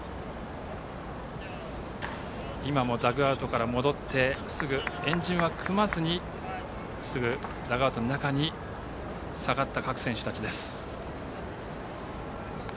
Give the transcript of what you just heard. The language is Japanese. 今も、ダグアウトから戻って円陣は組まずにすぐダグアウトの中に下がった各選手たちです。